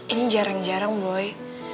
ini jarang jarang boy